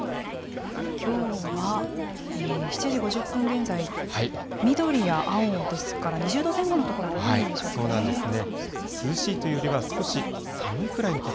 きょうは７時５０分現在、緑や青ですから、２０度前後の所が多いんでしょうかね。